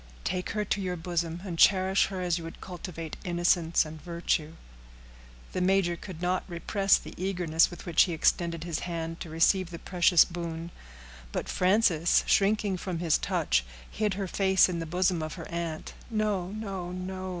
Take her to your bosom, and cherish her as you would cultivate innocence and virtue." The major could not repress the eagerness with which he extended his hand to receive the precious boon; but Frances, shrinking from his touch, hid her face in the bosom of her aunt. "No, no, no!"